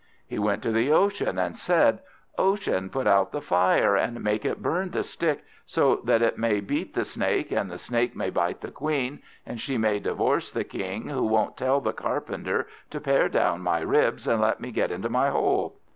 He went to the Ocean, and said, "Ocean, put out the Fire, and make it burn the Stick, so that it may beat the Snake, and the Snake may bite the Queen, and she may divorce the King, who won't tell the Carpenter to pare down my ribs, and let me get into my hole."